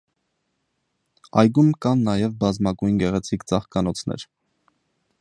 Այգում կան նաև բազմագույն գեղեցիկ ծաղկանոցներ։